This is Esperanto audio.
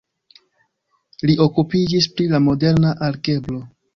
Li okupiĝis pri la moderna algebro.